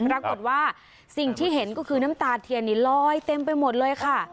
ลักษณ์ความรับว่าสิ่งที่เห็นคือน้ำตาเทียนนี้ลอยเต็มไปหมดเลยค่ะ